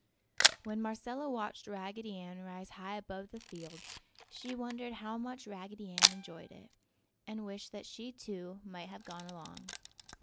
When Marcella watched Raggedy Ann rise high above the field, she wondered how much Raggedy Ann enjoyed it, and wished that she, too, might have gone along.